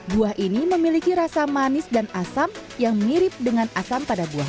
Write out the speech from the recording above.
buah ini memiliki rasa manis dan asam yang mirip dengan asam pada buah